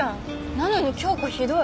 なのに京子ひどい。